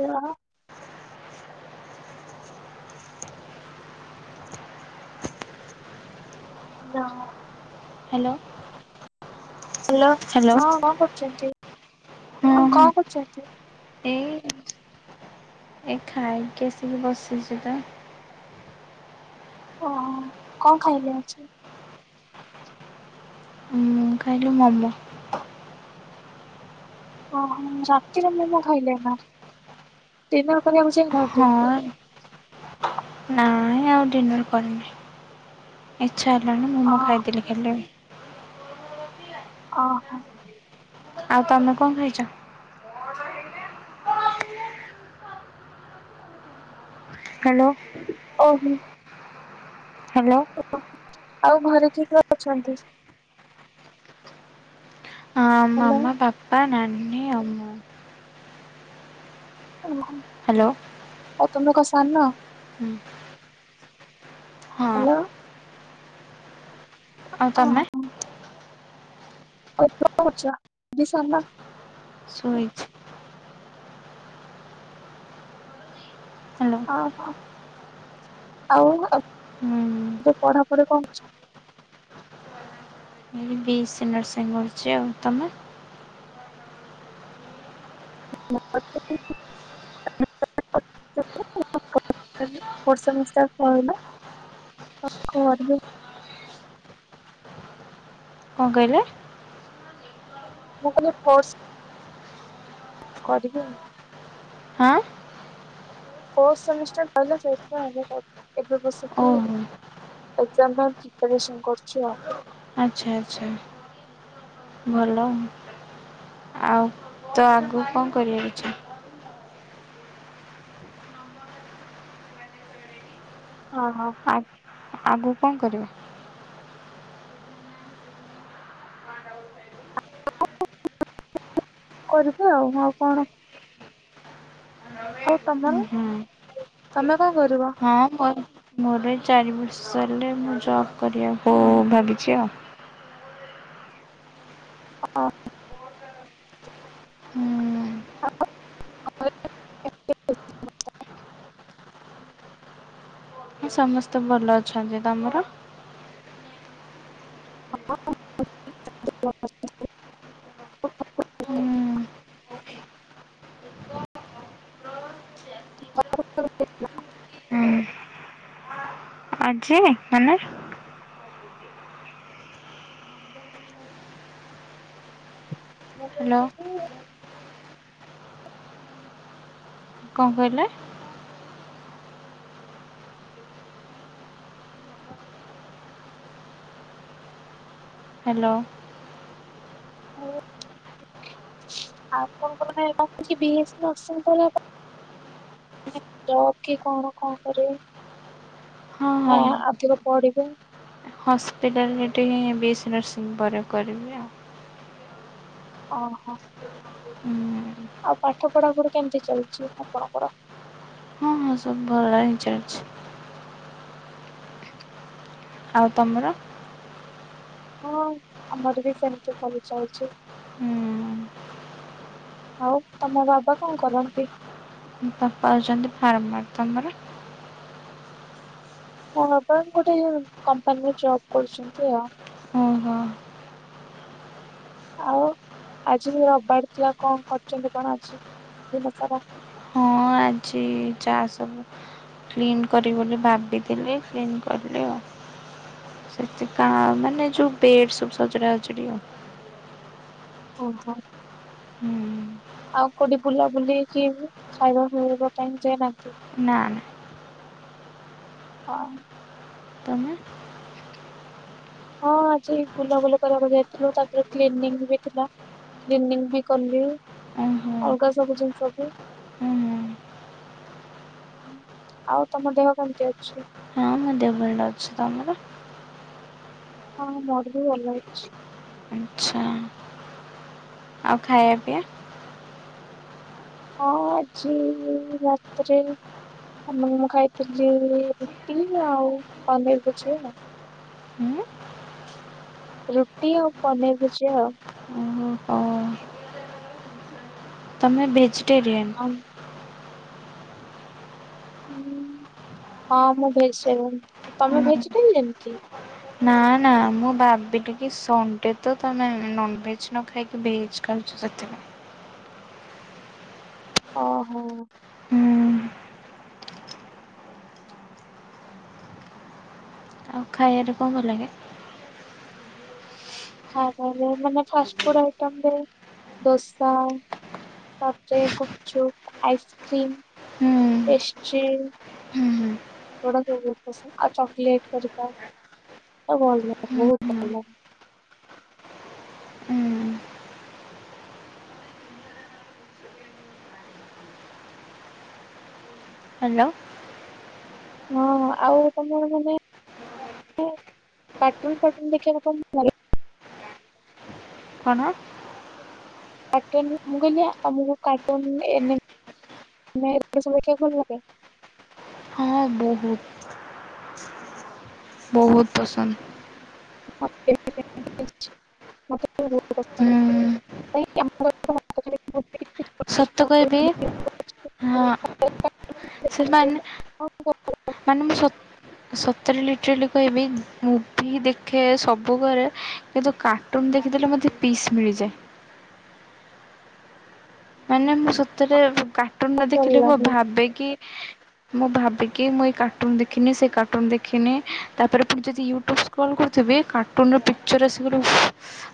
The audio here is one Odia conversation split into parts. ରହ ଆଲୋ ହଁ ହ୍ୟାଲୋ ହଁ ହ୍ୟାଲୋ କଣ କରୁଛନ୍ତି? ହଁ କଣ କରୁଛନ୍ତି? ଏଇ ଏ ଖାଇକି ଆସିକି ବସିଛି ପା। ଓ ହୋ କଣ ଖାଇଲେ ଆଜି? ମୁଁ କାହିଲି ମୋମୋ। ଓ ହୋ ରାତିରେ ମୋମୋ ଖାଇଲେ ନା। ଡିନର କରିବାକୁ ହଁ ଯାଇନାହାନ୍ତି? ନାଇଁ ଆଉ ଡିନର୍ କରିନି ଇଚ୍ଛା ହେଲାନି ଅ ମୋମୋ ଖାଇଦେଲି ଖାଲି। ଓ ହୋ ଆଉ ତମେ କଣ ଖାଇଛ? [inaudible] ହ୍ୟାଲୋ ଓ ହୋ ହ୍ୟାଲୋ ଆଉ ଘରେ କିଏ କିଏ ଅଛନ୍ତି? ଆଁ ହ୍ୟାଲୋ ମାମା ପାପା ନାନୀ ଆଉ ମୁଁ। ଓ ହୋ ହ୍ୟାଲୋ ଆଉ ତମେ କଣ ସାନ? ହୁଁ ହଁ ହ୍ୟାଲୋ ଆଉ ଓହୋ ତମେ? ଆଉ ତମେ କଣ କରୁଛ? [unintelligible] ଶୋଇଛି ହ୍ୟାଲୋ ଓ ହୋ ଆଉ ହୁଁ। ଯୋଉ ପଢାପଢି କଣ କରିଛ? ବି ଏ ସି ନର୍ସିଂ କରୁଛି। ଆଉ ତମେ? [unintelligible] [unintelligible] କଣ କହିଲେ? ମୁଁ କହିଲି ଫୋର୍ସ କରିବି ଆଉ। ଆଁ ଫୋର୍ଥ ସେମିଷ୍ଟର ସଇଲା ସେଥିପାଇଁ ଏବେ ପଢ ଏବେ ବସିକି ଓହୋ ଏକ୍ଜାମ ପାଇଁ ପ୍ରିପାରେସନ୍ କରୁଛି ଆଉ। ଆଚ୍ଛା ଆଚ୍ଛା। ଭଲ ଆଉ ତ ଆଗକୁ କଣ କରିବାକୁ ଚା ଓହ। ଆ ଆଗକୁ କଣ କରିବ? [inaudible] କରିବି ଆଉ ଆଉ କଣ ଆଉ ତମର ହୁଁ ତମେ କଣ କରିବ? ହଁ ମୋ ମୋର ଏଇ ଚାରି ବର୍ଷ ହେଲେ ମୁଁ ଜବ୍ କରିବାକୁ ହଁ, ଭାବିଛି ଆଉ। ହୁଁ। [unintelligible] ସମସ୍ତେ ଭଲ ଅଛନ୍ତି ତମର? ହଁ। [unintelligible] ହୁଁ [unintelligible] [unintelligible] ଆଜି ମାନେ ମୁଁ କହିଲି ହ୍ୟାଲୋ? କି କଣ କହିଲେ? ହ୍ୟାଲୋ? [unintelligible] ଆଉପଣଙ୍କ ମାନେ ରଖୁଛି ବି ଅସନ୍ତ ହେ କି କଣ କଣ କରିବି ନା ଅଧିକ ପଢିବେ? ହସ୍ପିଟାଲରେଠିିଁ ବି ଏସ୍ ସ ନର୍ସିଂ ପରେ କରିବି ଆଉ। ଓହୋ ହୁଁ ଆଉ ପାଠ ପଢା ପୁଡ଼ି କେମିତି ଚାଲିଛି ଆପଣଙ୍କର? ହ ସବୁ ଭଲ ହିଁ ଚାଲିଛି। ଆଉ ତମର? ହଁ ଆମର ବି ସେମିତି ଭଲ ଚାଲିଛି। ହୁଁ। ଆଉ ତମ ବାବା କଣ କରନ୍ତି? ବାପା ଅଉଛନ୍ତି ଫାର୍ମାର, ତମର? ହଁ ଆପଣ ଗୋଟେ କମ୍ପାନୀରେ ଜବ୍ କରୁଛନ୍ତି ଆଉ। ଓହୋ। ଆଉ ଆଜି ରିବାର ଥିଲା କଣ କରିଛନ୍ତି କଣ ଆଜି ଦିନ ସାରା? ଜି ଯହା ସବୁ କ୍ଲିନ୍ କରି ବୋଲି ଭାବିଥିଲି କ୍ଲିନ୍ କରିଲି ଆଉ ସେ କଣ ମାନେ ଯୋଉ ବେ ସବ ସଜଡି ଆଉ। ଓହୋ। ହୁଁ। ଆଉ କୋଉଠି ବୁଲା ବୁଲିକି ଖାଇବା ପିଇବା ପାଇଁ ଯାଇ ନାହାନ୍ତି? ନା ନା। ହଁ। ତମେ? ହଁ ଆଜି ବୁଲାବୁଲ କରିବାକୁ ଯାଇଥିଲୁ ତାପରେ କ୍ଲିିନ୍ ବି ଥିଲା। କନି ବି କଲି ଓହୋ ଅଲଗା ସବୁ ଜିନିଷ ବି ହୁଁ ହୁଁ। ଆଉ ତମ ଦେହ କେମତି ଅଛି? ହଁ ମୋ ଦେହ ଭଲ ଅଛି ତମର? ହଁ ମୋର ବି ଭଲ ଅଛି। ଆଚ୍ଛା। ଆଉ ଖାଇବା ପିଆ? ହଁ ଆଜି ରାତିରେ ଆମ ମୁଁ ଖାଇଥିଲି ରୁଟି ଆଉ ପନିର ଭୁଜିଆ। ହୁ। ରୁଟି ଆଉ ପନିର ଭୁଜିଆ ଆଉ। ଓହୋ ହଉ ତମେ ଭେଜିଟେରିୟନ। ହଉ। ଉଁ, ହଁ ମୁଁ ଭେଜିଟେରିଧାନ, ତମେ ଭେଜିଟୋରଆନ କି? ନା ନା ମୁଁ ଭାବି ଟିକେ ସଣ୍ଡେ ତ ତମେ ନନଭେଜ ନ ଖାଇକି ଭେଜ ଖାଉଚ ସେତି ନା। ଓହୋ। ହୁଁ ଆଉ ଖାଇଆରେ କଁ ଭଲ ଲାଗେ? ଖାଇବାରେ ମାନେ ଫାଷ୍ଟଫୁଡ୍ ଆଇଟମରେ ଦୋସା- - ତାପରେ ଗୁପଚୁପ ଆଇସକ୍ରିମ ହୁଁ ପେଷ୍ଟ୍ରି। ହୁଁ ହୁଁ। [inaudible] ଆଉ ଚଲେଟ ହେରିକା ଭଲ ହୁଁ ବହୁତ୍ ହୁଁ ଭଲ ଲାଗେ। ହୁଁ। ହ୍ୟାଲୋ। ହଁ, ଆଉ ତମର ମାନେ କାର୍ଟୁନ ଫାଟୁନ ଦେଖିଆକୁ ତମକୁ ଭଲ ଲାଗେ। କଣ? ମୁଁ କହିଲି ଆମକୁ କାର୍ଟୁନ୍ ଏନ ନେ ଦେଖଆକୁ ଭଲଲାଗେ। ହଁ ବହୁତ। ବହୁତ ପସନ୍ଦ। ହୁଁ। [unintelligible] ରୁଟି, ଛୋଟ ସତ କହିବି ହଁ ଛୋଟ ସେମାନେ- - କଣ କର ମାନେ ସ- - ସତର ଲିଟର ଲ କହିବି ମୁଭି ଦେଖେ ସବୁ କରେ। କିନ୍ତୁ କାର୍ଟୁନ୍ ଦେଖିଦେଲେ ମୋତେ ପିସ୍ ମିଳିଯାଏ। ମାନେ ମୁଁ ସତରେ କାର୍ଟୁନ ନ ଭଲ ଦେଖିଲେ ମୁଁ ଲାଗେ ଭାବେ କିି ମୁଁ ଭାବେକି ମୁଁ ଏଇ କାର୍ଟୁନ ଦେଖିନି ସେଇ କାର୍ଟୁନ ଦେଖିନି ତାପରେ ପୁଣି ଯଦି ୟୁଟ୍ୟୁବ କଲ୍ କରୁଥିବେ କାର୍ଟୁନ୍ ର ପିକଚର୍ ଏସିବୁରୁ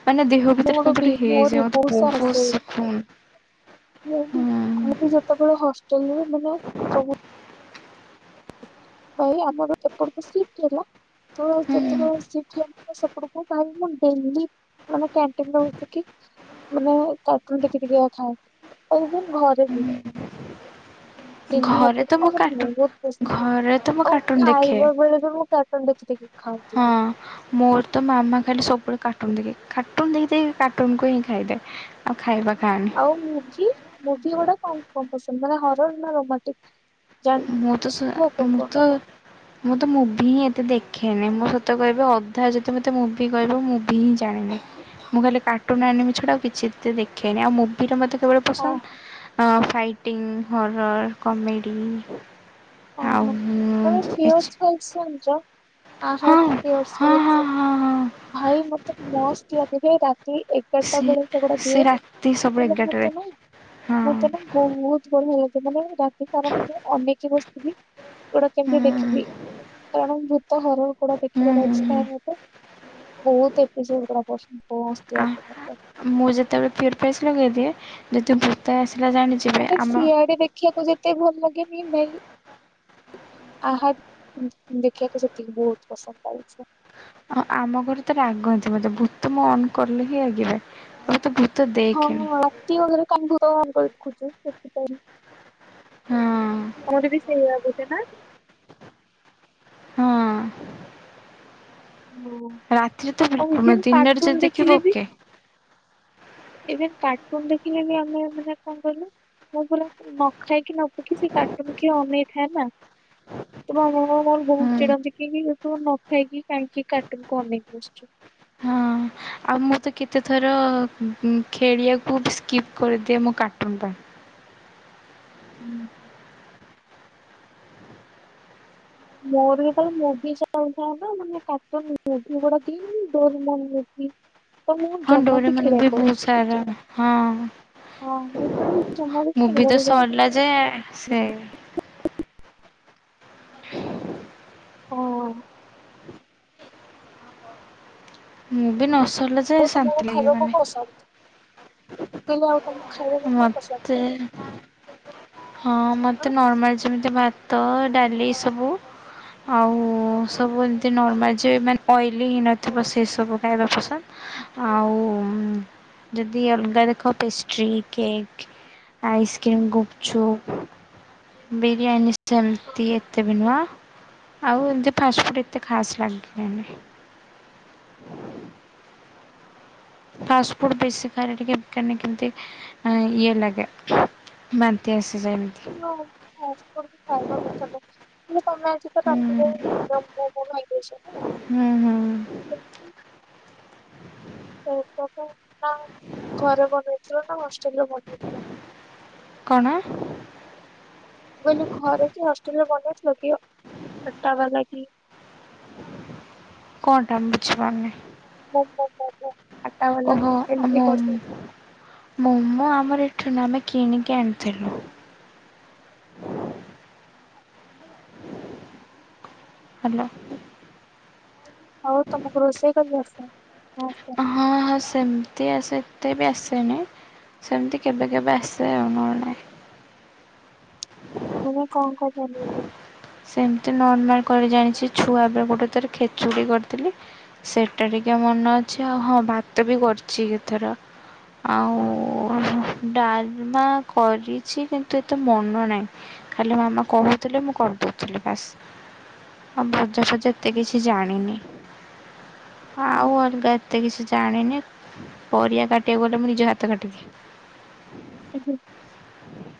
ମାନେ ଦେହ ଭିତରେ ମୋର କେମିତି ବି ଗୋଟେ ମୋର ବି ହେଇଯାଏ। ମତେ ସାରା ବହୁତ ଆସେ ଶିକୁନ। ମୁଁ ବି ସେତେବେଳେ ହଷ୍ଟେଲ୍ ରେ ରହେ ମାନେ ସବୁ ଭାଇ ଆମର ଏପଟକୁ ସିଷ୍ଟି ହେଲା। ତୋର ଯେତେବେଳେ ସିପ୍ଟି ସେପଟକୁ ଭାଇ ମୁଁ ଡେଲି - - ମାନେ କ୍ୟାଣ୍ଟିନରେ ହଉଚି କି ମାନେ କ୍ୟାଣ୍ଟିନ୍ ଟିକେ ଟିକେ ଥାଏ ଘରେ ବି। ଦିଲ୍ଲୀ ଘରେ ତ ଏୟାରପୋର୍ଟ ମୁଁ ଆଉ ମୋତେ କାର୍ଟୁନ୍ ବହୁତ ପସନ୍ଦ। ଘରେ ତ ମୁଁ ଆଉ କାର୍ଟୁନ୍ ଦେଖେ ଖାଇବା ବେଳେ ବି ମୁଁ କାର୍ଟୁନ ଦେଖି ଦେଖି ହଁ ଖାଉଥିଲି। ମୋର ତ ମାମା ଖାଲି ସବୁବେଳେ କାର୍ଟୁନ ଦେଖେ କାର୍ଟୁନ ଦେଖି ଦେଖି କାର୍ଟୁନକୁ ହିଁ ଖାଇଦେ। ଆଉ ଖାଇବା ଖାନି। ଆଉ ମୁଭି, ମୁଭିି ଗୁଡା କ କଣ ପସନ୍ଦ ମାନେ ହର ନା ରୋମାଟିକ। ମୁଁ ତ ସ, ମୁଁ କୁହ ତ ମୁଁ ତ ମୁଭି ହିଁ ଏତେ ଦେଖେନି। ମୁଁ ସତ କହିବି ଅଧା ଯତି ମତେ ମୁଭି କହିବ ମୁ - - ତ୍ତି ଜାଣିନି। ମୁଁ ଖାଲି କାର୍ଟୁନ ଆଣିବି ଛଡ଼ା ଆଉ କିଛି ଦେଖେନି। ଆଉ ମୁଭିରେ ମୋତେ କେବଳ ହଁ। ପସନ୍ଦ ଫାଇଟିଂ ହରର କମେଡି। ଓହୋ ତମ ପିଓରଲସ ଜଣିଚ ଆହ ହଁ ହଁ ହଁ ପିଓରଲସ। ହଁ ହଁ ଭାଇ ମତେ ମସ୍ତ ଲାଗେ ଯେ ରାତି ଏଗାରଟା ସେ ବେଳେ। ସେଗୁଡା ପିଏ ସେ ରାତି ସବୁ ମାନେ ଏଗାରଟାରେ [unintelligible] ହଁ ମଁ ତ ନା ବହୁତ ବଢିଆ ଲାଗେ ମାନେ ରାତି ସାରା ଅନେଇ କି ବସିଥିବି। ଭୁତ ଗୁଡା ହୁଁ କେମିତିଆ ଦେଖିବି କାରଣ ଭୂତ ହର ଗୁଡା ହୁଁ ଦେଖିବାର ହୁଁ ଅଛି ତାହେଲେ ମତେ। ବହୁତ ଏପିସୋଡ ହୁଁ [unintelligible] ମୁଁ ଯେତେବେଳେ ପିଓର ଫେସ୍ ଲଗେଇଦିଏ ଯଦି ଭୂତ ଆସିଲା ଜାଣିଛି। ମତେ ସିଆଡେ ଦେଖିବାକୁ ଯେତେ ଭଲ ଲାଗେନି ନେହିଁ। ଆହା ଦେଖିବାକୁ ସେତିକି ବହୁତ ପସନ୍ଦ ଲାଗୁଛି। ହଁ ଆମ ଘରେ ତ ରାଗନ୍ତି ମତେ ଭୁତ ତ ମୁଁ ଅନ୍ କରିଲେ ହିଁ ରାଗିବେ କହିବେ ତୁ ଭୁତ ହଁ ହଁ ରାତି ଅଧରେ କାହିଁ ଅନ କରି ଦେଖୁଛୁ ସେଥିପାଇଁ। ହଁ ମୋର ବି ସେଇଆ ବୁଝେ ନା। ହଁ ହଁ। ରାତିରେ ତ ଆଉ ବିଲକୁଲ ନୁହେଁ ଇଭେନ ଦିନରେ ଯଦି କାର୍ଟୁନ ଦେଖିବୁ ଓକେ। ଏବେ କାର୍ଟୁନ ଦେଖିଲେ ବି ଆମେ ମାନେ କଣ କହିଲୁ? ମୁଁ ପୁରା ନ ଖାଇକି ନ ପିଇକି ସେ କାର୍ଟୁନ୍ କୁ ଅନେଇଥାଏ ନା। ତୁ ମୋ ମାମା ବହୁତ ହୁଁ। ଚିଡ଼ନ୍ତି କି ତୁ ନଖାଇକି କାହିଁକି କାର୍ଟୁନ୍ କୁ ଅନେଇକି ବସିଛୁ। ହଁ ଆଉ ମୁଁ ତ କେତେଥର ଖେଳିଆକୁ ବି ସ୍କିପ୍ କରିଦିଏ ମୋ କାର୍ଟୁନ୍ ପାଇଁ। ହୁଁ। ମୋର ତ ମୁଭି ଚାଲିଥାଏ ନା ମାନେ କାର୍ଟୁନ ମୁଭି ଗୁଡା [unintelligible] ତ ମୁଁ ହଁ ଜମା ବି ଡୋରେମନ୍ ଖେଳି ବହୁତ ସାରା ହଁ [unintelligible] ମୁଭି ତ ସରିଲା ଯେ ସେ ହଁ। ମୁଁ ବି ନସରିଲା ଯାଏ ମୁଁ ଶାନ୍ତି ତମକୁ ଖାଇବାକୁ ଲାଗିବନି। କଣ ପସନ୍ଦ? ମୁଁ କହିଲି ଆଉ ତମକୁ ଖାଇବାକୁ କଣ ପସନ୍ଦ? ମତେ ହଁ ମତେ ନର୍ମାଲ ଯେମିତି ଭାତ ଡାଲି ସବୁ। ଆଉ ସବୁ ଏମତି ନର୍ମାଲ ଯେ ମାନେ ଅଏଲି ନଥିବା ସେ ସବୁ ଖାଇବା ପସନ୍ଦ। ଆଉ ଯଦି ଅଲଗା ଦେଖ pastry cake, ice cream, gupchup biryani ହଁ ସେମତି ଏତେ ବି ନୁହଁ। ଆଉ ଏମିତି ଫାଷ୍ଟଫୁଡ଼୍ ଏତେ ଖାସ୍ ଲାଗିଲାନି। ଫାଷ୍ଟଫୁଡ ବେଶୀ ଖାଇଲେ ଟିକେ କାନି କେମିତି ଇଏ ଲାଗେ ବାନ୍ତି ଆସିଯାଏ ଏମିତି। ତମେ ଫାଷ୍ଟଫୁଡ୍ ଖାଇବା କଥା ନୁହେଁ। ତମେ ଆଇଚ ତ ରାତିରେ ହୁଁ [unintelligible] ହୁଁ ହୁଁ [unintelligible] ତ କ ପାଇଁ ନା ଘରେ ବନେଇଥିଲ ନା ହଷ୍ଟେଲ ରେ ବନେଇଥିଲ? କଣ? ମୁଁ କହିଲି ଘରେ କି ହଷ୍ଟେଲରେ ବନେଇଥିଲ କି ସେଟା ହବା ଲାଗି? କଣ ଟା ବୁଝିପାରୁନାହିଁ? [unintelligible] ବାଲା ଓହୋ ଏମିତି ଆମେ କରୁଥିଲ [unintelligible] ମୋମୋ ଆମର ଏଠୁ ନୁହଁ ଆମେ କିଣିକି ଆଣିଥିଲୁ। ହ୍ୟାଲୋ। ହଉ ତମକୁ ରୋଷେଇ କରି ଆସେ? ହଁ, ହଁ ସେମତି ଆସେ ଏତେ ବି ଆସେନି। ସେମିତି କେବେ କେବେ ଆସେ ଆଉ ନଅ ହେଲେ ନାହିଁ। [unintelligible] ସେମିତି ନର୍ମାଲ କରି ଜାଣିଛି, ଛୁଆ ବେଳେ ଗୋଟେ ଥର ଖେଚୁଡ଼ି କରିଥିଲି। ସେଇଟା ଟିକେ ମନ ଅଛି ଆଉ ହଁ ଭାତ ବି କରିଛି କେତେଥର। ଆଉ ଡାଲମା କରିଛି, କିନ୍ତୁ ଏତେ ମନ ନାହିଁ। ଖାଲି ମାମା କହୁଥିଲେ ମୁଁ କରୁ ଥିଲି ବାସ୍, ଆଉ ଭଜା ଫଜା ଏତେ କିଛି ଜାଣିନି। ଆଉ ଅଲଗା ଏତେ କିଛି ଜାଣିନି! ପରିବା କାଟିବାକୁ ଗଲେ ମୁଁ ନିଜ ହାତ କାଟିଦିଏ। [unintelligible]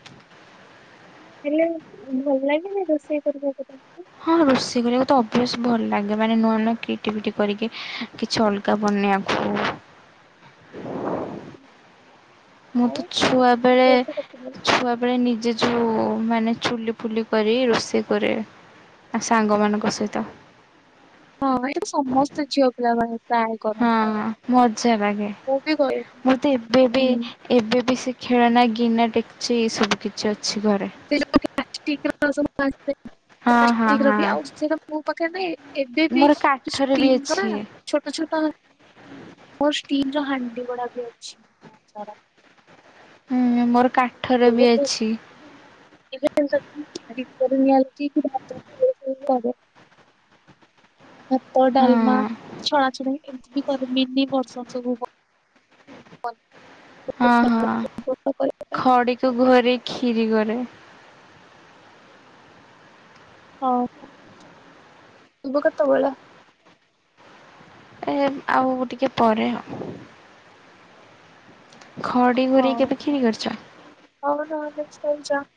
ହେଲେ ଭଲ ଲାଗେନି ରୋଷେଇ କରିବାକୁ? ହଁ ରୋଷେଇ କରିବାକୁ ତ ଅଭ୍ୟାସ୍ ଭଲ ଲାଗେ! ମାନେ ନୂଆ ନୂଆ କ୍ରିଏଟିଭିଟି କରିକି କିଛି ଅଲ କା ବନେଇ ଆକୁୁ ମୁଁ ଆଉ ତ ଛୁଆ ହଷ୍ଟେଲରେ ବେଳେ ରହୁଛ କେତେ ଦିନ? ଛୁଆ ମାନେ ନିଜେ ଯୋଉ ମାନେ ଚୁଲି ଫୁଲି କରି ରୋଷେଇ କରେ। ଆ ସାଙ୍ଗମାନଙ୍କ ସହିତ। ହଁ ଏଇଟାତ ସମସ୍ତେ ଝିଅ। [inaudible] ହଁ ମଜା ଲାଗେ। ମୁଁ ବି କରେନି। ମତେ ଏବେବି ହୁଁ ଏବେ ବି ସେ ଖେଳନା ଗିନା ଡେକ୍ଚି ସବୁ କିଛି ଅଛି ଘରେ। ହଁ ହଁ ହଁ [unintelligible] ମୋ ପାଖରେ ନାଇ। ଏବେ ବି ମୋର କାଠରେ ବି ଷ୍ଟିମ୍‌ର ନା? ଅଛି। ଛୋଟ ଛୋଟ ହାଣ୍ଡି ମୋର ହାଣ୍ଡି ଗୋଡା ବି ଅଛି ବହୁତ ସାରା। ହୁଁ ମୋର କା ବହୁତ ଏବେ [unintelligible] ଭାତ ହଁ ଡାଲମା ଛଣା ଛଣି ଏମତି କରେ ମିନି ବର୍ସନ ସବୁ ହଁ ହଁ ଭଲ ଭଲ କରେ। ଖଡିକୁ ଘରେ ଖିରି କରେ। ହଁ ଥିବ କେତେବେଳେ? ଏ ଆଉ ଟିକେ ପରେ। ଖଡ଼ି ଘୁରିକି ହଉ କେବେ ଖିରି କରିଚ? [unintelligible]